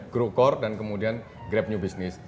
grup core dan kemudian grab new business